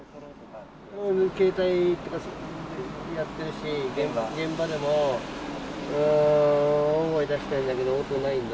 携帯とかもやってるし、現場でも、大声出したんだけど、応答ないんだ。